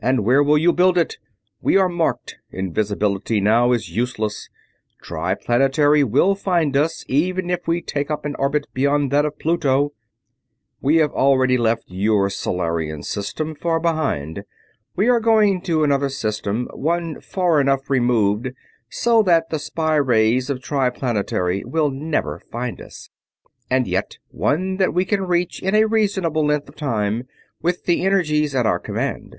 "And where will you build it? We are marked. Invisibility now is useless. Triplanetary will find us, even if we take up an orbit beyond that of Pluto!" "We have already left your Solarian system far behind. We are going to another system; one far enough removed so that the spy rays of Triplanetary will never find us, and yet one that we can reach in a reasonable length of time with the energies at our command.